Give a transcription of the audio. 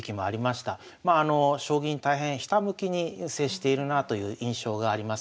将棋に大変ひたむきに接しているなあという印象があります。